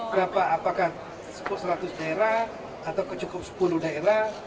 berapa apakah seratus daerah atau cukup sepuluh daerah